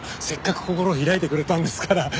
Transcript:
せっかく心を開いてくれたんですから。